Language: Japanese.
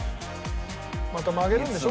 また曲げるんでしょ？